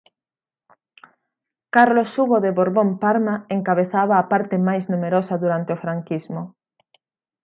Carlos Hugo de Borbón Parma encabezaba a parte máis numerosa durante o franquismo.